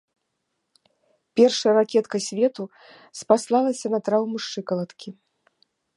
Першая ракетка свету спаслалася на траўму шчыкалаткі.